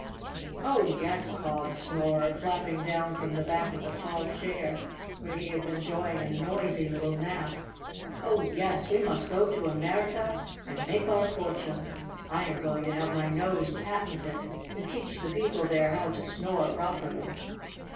"Oh, yes," cawed Snorer, flapping down from the back of a tall chair where he had been enjoying a noisy little nap. "Oh, yes, we must go to America and make our fortune. I am going to have my nose patented and teach the people there how to snore properly."